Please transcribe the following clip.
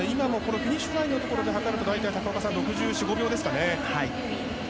フィニッシュラインのところで測ると大体６４６５秒ですかね。